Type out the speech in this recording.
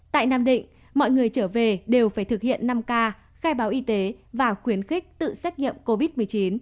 tại nam định mọi người trở về đều phải thực hiện năm k khai báo y tế và khuyến khích tự xét nghiệm covid một mươi chín